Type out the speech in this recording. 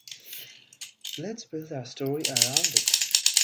Let's build our story around it.